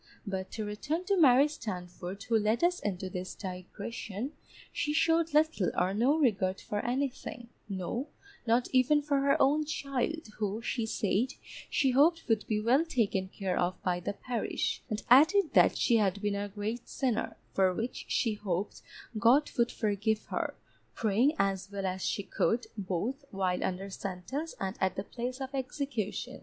But to return to Mary Standford, who led us into this digression. She showed little or no regard for anything; no, not even for her own child, who, she said, she hoped would be well taken care of by the parish, and added that she had been a great sinner, for which she hoped God would forgive her, praying as well as she could, both while under sentence and at the place of execution.